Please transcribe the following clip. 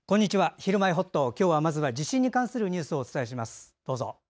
「ひるまえほっと」。今日はまずは地震に関するニュースをお伝えします。